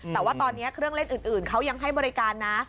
แต่ว่าตอนนี้เครื่องเล่นอื่นเขายังให้บริการนะ